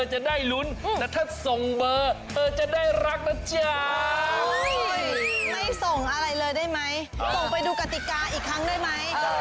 อยากรู้กติกาเป็นยังไงไปฟังค่ะ